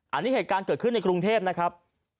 อันนี้เหตุการณ์เกิดขึ้นในกรุงเทพนะครับ